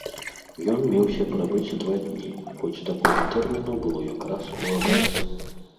Ён меўся прабыць два дні, хоць такога тэрміну было якраз у абрэз.